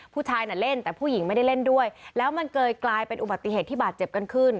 ผู้ชายน่ะเล่นแต่ผู้หญิงไม่ได้เล่นด้วยแล้วมันเกิดกลายเป็นอุบัติเหตุที่บาดเจ็บกันขึ้น